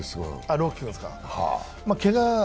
朗希君ですか。